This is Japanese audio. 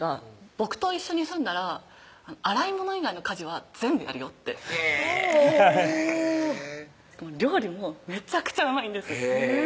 「僕と一緒に住んだら洗い物以外の家事は全部やるよ」ってへぇほうしかも料理もめちゃくちゃうまいんです